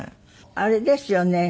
あれですよね。